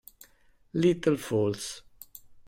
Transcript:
Little Falls